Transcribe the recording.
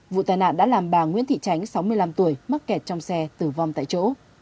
vụ tai nạn đã làm bà nguyễn thị tránh sáu mươi năm tuổi mắc kẹt trong xe tử vong tại chỗ